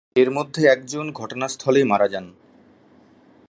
এর মধ্যে একজন ঘটনাস্থলেই মারা যান।